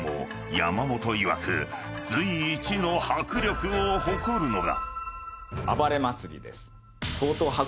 山本いわく随一の迫力を誇るのが］